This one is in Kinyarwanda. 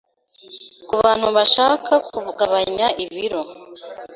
Ku bantu bashaka kugabanya ibiro